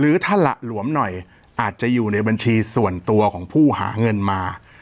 ท่านหละหลวมหน่อยอาจจะอยู่ในบัญชีส่วนตัวของผู้หาเงินมา